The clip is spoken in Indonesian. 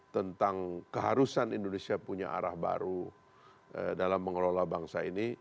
tentang keharusan indonesia punya arah baru dalam mengelola bangsa ini